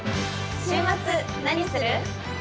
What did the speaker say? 週末何する？